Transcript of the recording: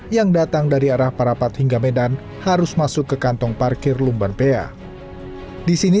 dua ribu dua puluh tiga yang datang dari arah parapat hingga medan harus masuk ke kantong parkir lumbanpea di sini